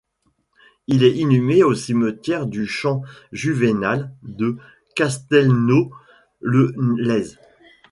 Il est inhumé au cimetière du champ Juvénal de Castelnau-le-Lez.